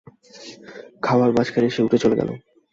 খাওয়ার মাঝখানেই সে উঠে চলে গেল।